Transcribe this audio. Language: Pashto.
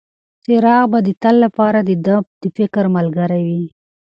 څراغ به د تل لپاره د ده د فکر ملګری وي.